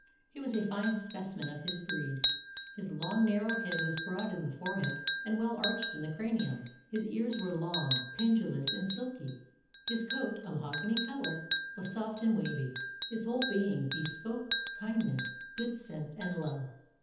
He was a fine specimen of his breed. His long, narrow head was broad in the forehead and well arched in the cranium; his ears were long, pendulous, and silky; his coat, a mahogany color, was soft and wavy; and his whole being bespoke kindness, good sense, and love.